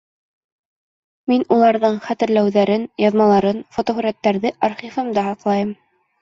Мин уларҙың хәтерләүҙәрен, яҙмаларын, фотоһүрәттәрҙе архивымда һаҡлайым.